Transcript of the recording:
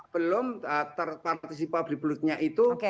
belum terpartisipasi publiknya itu